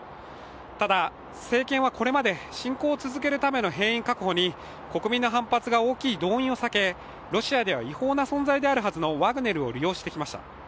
ただ、政権はこれまで侵攻を続けるための兵員確保に国民の反発が大きい動員を避けロシアでは違法な存在であるはずのワグネルを利用してきました。